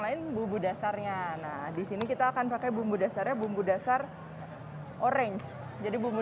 lain bumbu dasarnya nah disini kita akan pakai bumbu dasarnya bumbu dasar orange jadi bumbu